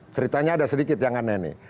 ceritanya ada sedikit yang aneh aneh